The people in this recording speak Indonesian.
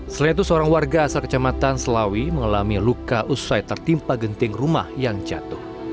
selain itu seorang warga asal kecamatan selawi mengalami luka usai tertimpa genting rumah yang jatuh